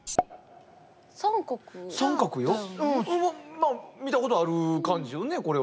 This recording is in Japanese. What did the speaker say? まあ見たことある感じよねこれは。